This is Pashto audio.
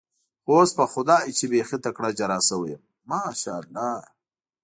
خو اوس په خدای چې بېخي تکړه جراح شوی یم، ماشاءالله.